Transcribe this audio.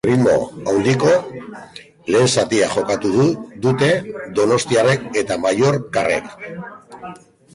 Erritmo handiko lehen zatia jokatu dute donostiarrek eta mallorcarrek.